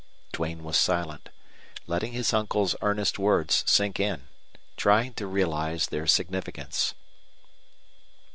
Duane was silent, letting his uncle's earnest words sink in, trying to realize their significance.